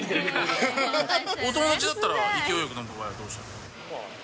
お友達だったら勢いよく飲む場合はどうしますか。